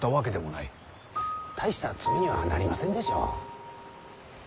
大した罪にはなりませんでしょう？